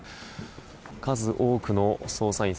数多くの捜査員。